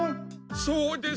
そうです。